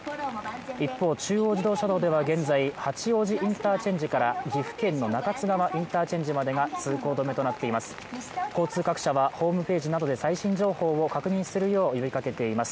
一方、中央自動車道では現在、八王子インターチェンジから岐阜県の中津川インターチェンジまでが通行止めとなっています。